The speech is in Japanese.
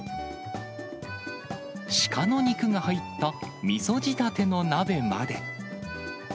鹿の肉が入ったみそ仕立ての鍋まで。